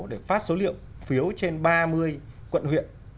để phát số liệu phiếu trên ba mươi quận huyện